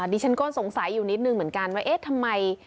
ดิฉันก็สงสัยอยู่นิดนึงเหมือนกันว่าเอ๊ะทำไม